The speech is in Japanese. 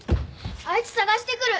あいつ捜してくる。